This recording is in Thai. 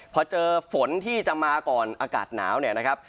พอเจอฝนที่จะมาก่อนอากาศหนาวเนี่ยนะครับ